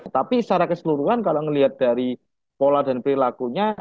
tapi secara keseluruhan kalau melihat dari pola dan perilakunya